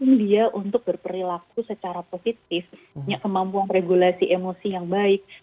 kemampuan dia untuk berperilaku secara positif punya kemampuan regulasi emosi yang baik